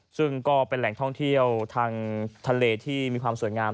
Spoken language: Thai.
ซึ่งก็เป็นแหล่งท่องเที่ยวทางทะเลที่มีความสวยงาม